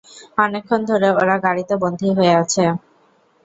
অনেকক্ষন ধরে ওরা গাড়িতে বন্দী হয়ে আছে।